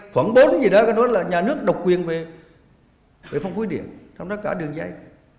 khoảng bốn gì đó là nhà nước độc quyền về phong phú điện trong đó cả đường dây